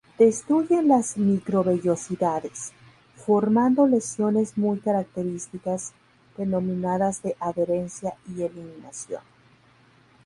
Destruyen las microvellosidades, formando lesiones muy características denominadas de adherencia y eliminación.